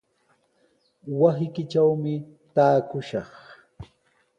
Wasiykitrawmi taakushaq.